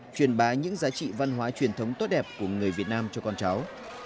truyền bá những giá trị văn hóa truyền thống tốt đẹp của người việt nam cho con cháu